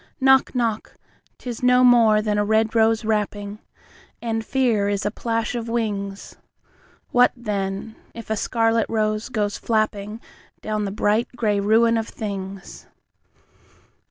Knock, knock, 'tis no more than a red rose rapping, And fear is a plash of wings. What, then, if a scarlet rose goes flappingDown the bright grey ruin of things!